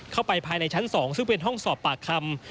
เข้าไปภายในชั้น๒ซึ่งเป็นห้องสอบปากคำ